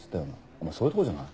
お前そういうとこじゃない？